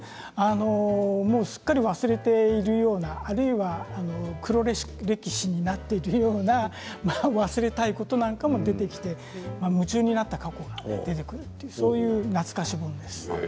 もうすっかり忘れているようなあるいは黒歴史になっているような忘れたいことなんかも出てきて夢中になった過去が出てくるそういう懐かし本です。